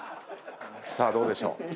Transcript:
さあどうでしょう？